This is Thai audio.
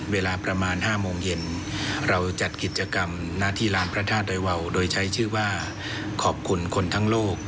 เวลาประมาณ๕โมงเย็นเราจัดกิจกรรมหน้าที่ลานพระธาตุดอยวาวโดยใช้ชื่อว่าขอบคุณคนทั้งโลก